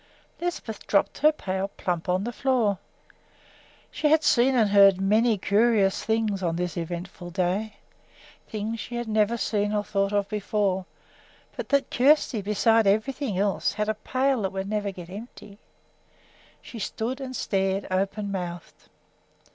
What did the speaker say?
Lisbeth dropped her pail plump on the floor. She had seen and heard many curious things on this eventful day, things she had never seen or thought of before; but that Kjersti, besides everything else, had a pail that would never get empty! She stood and stared, open mouthed.